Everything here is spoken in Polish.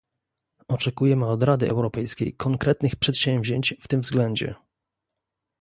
Oczekujemy od Rady Europejskiej konkretnych przedsięwzięć w tym względzie